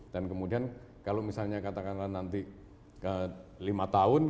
dan kemudian kalau misalnya katakanlah nanti lima tahun